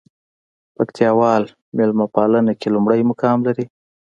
پکتياوال ميلمه پالنه کې لومړى مقام لري.